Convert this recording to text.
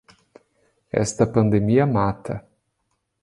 Esta pandemia mata.